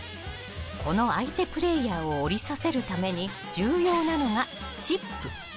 この相手プレーヤーを降りさせるために重要なのがチップ。